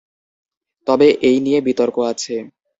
তবে এই নিয়ে বিতর্ক আছে।